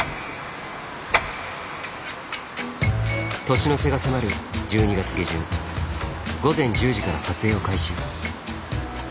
年の瀬が迫る１２月下旬午前１０時から撮影を開始。